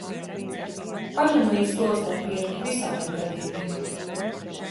Paņem līdzi tualetes papīru, visādiem gadījumiem.